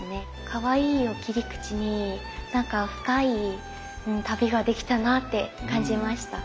「かわいい」を切り口に何か深い旅ができたなって感じました。